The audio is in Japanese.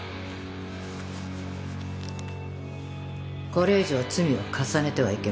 これ以上罪を重ねてはいけません。